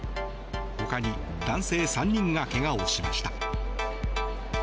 ほかに男性３人が怪我をしました。